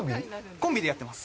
コンビでやってます。